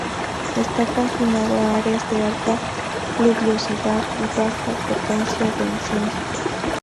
Está confinado a áreas de alta pluviosidad y baja frecuencia de incendios.